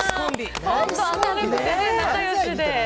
ほんと、明るくて仲良しで。